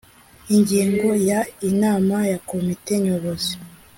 ingingo ya inama ya komite nyobozi